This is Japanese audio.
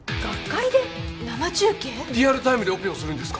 リアルタイムでオペをするんですか？